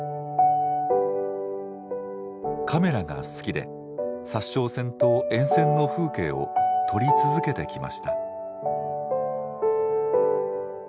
カメラが好きで札沼線と沿線の風景を撮り続けてきました。